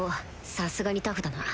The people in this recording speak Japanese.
さすがにタフだな